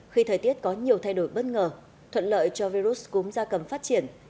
khi thời tiết có nhiều thay đổi bất ngờ thuận lợi cho virus cúng gia cầm phát triển